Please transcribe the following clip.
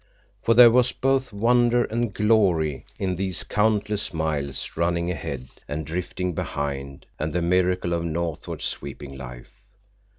For there was both wonder and glory in these countless miles running ahead and drifting behind, and the miracle of northward sweeping life.